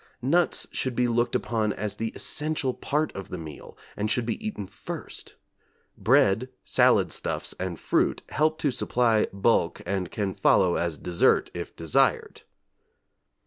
Nuts should be looked upon as the essential part of the meal and should be eaten first; bread, salad stuffs and fruit help to supply bulk and can follow as dessert if desired.